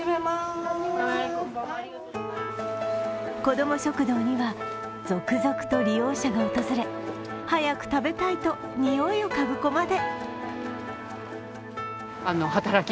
子ども食堂には続々と利用者が訪れ早く食べたい！と、においをかぐ子まで。